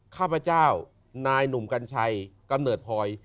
ข้าพเจ้านายหนุ่มกัญชัยกำเนิดพลอย